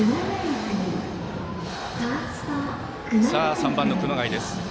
３番の熊谷です。